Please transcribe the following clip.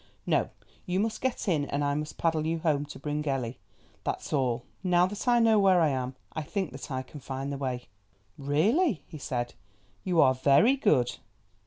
No, you must get in and I must paddle you home to Bryngelly, that's all. Now that I know where I am I think that I can find the way." "Really," he said, "you are very good."